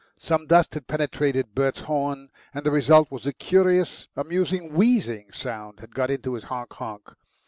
Some dust had penetrated Bert's horn, and the result was a curious, amusing, wheezing sound had got into his "honk, honk."